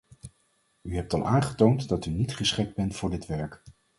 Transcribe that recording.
U hebt al aangetoond dat u niet geschikt bent voor dit werk.